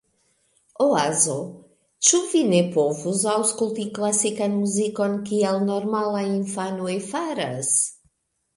Oazo: "Ĉu vi ne povus aŭskulti klasikan muzikon kiel normalaj infanoj faras?"